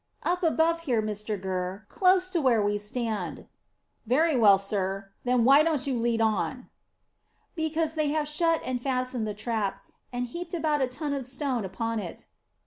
"Up above here, Mr Gurr, close to where we stand." "Very well, sir; then why don't you lead on?" "Because they have shut and fastened the trap, and heaped about a ton of stone upon it."